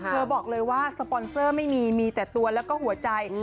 บอกเลยว่าสปอนเซอร์ไม่มีมีแต่ตัวแล้วก็หัวใจ